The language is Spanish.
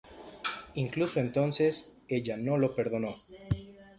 Incluso entonces, ella no lo perdonó.